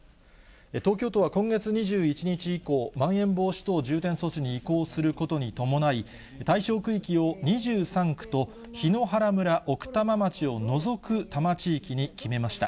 東京都は今月２１日以降、まん延防止等重点措置に移行することに伴い、対象区域を２３区と檜原村、奥多摩町を除く多摩地域に決めました。